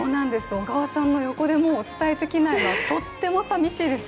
小川さんの横でお伝えできないのはとっても寂しいです。